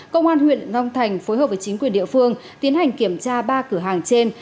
công an huyện long thành phối hợp với chính quyền địa phương tiến hành kiểm tra ba cửa hàng trên